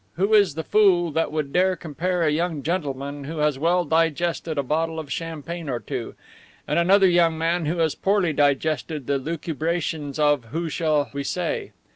Who is the fool that would dare compare a young gentleman who has well digested a bottle of champagne or two, and another young man who has poorly digested the lucubrations of, who shall we say?